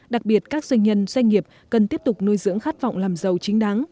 đặc biệt các doanh nhân doanh nghiệp cần tiếp tục nuôi dưỡng khát vọng làm giàu chính đáng